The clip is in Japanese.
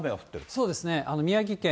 そうですね、宮城県、